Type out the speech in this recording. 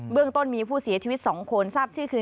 เรื่องต้นมีผู้เสียชีวิต๒คนทราบชื่อคือ